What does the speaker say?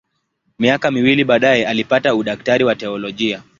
Miaka miwili baadaye alipata udaktari wa teolojia.